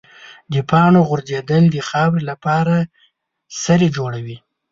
د پاڼو غورځېدل د خاورې لپاره سرې جوړوي.